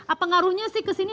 apa ngaruhnya sih kesini